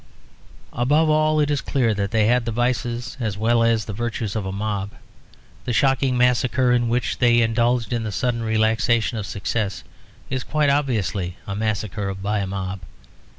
Above all, it is clear that they had the vices as well as the virtues of a mob. The shocking massacre in which they indulged in the sudden relaxation of success is quite obviously a massacre by a mob.